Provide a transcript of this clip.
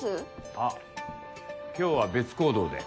あっ今日は別行動で。